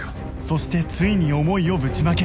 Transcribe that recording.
そしてついに思いをぶちまける